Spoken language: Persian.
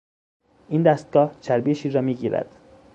این دستگاه چربی شیر را میگیرد.